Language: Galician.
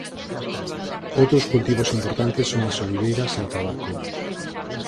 Outros cultivos importantes son as oliveiras e o tabaco.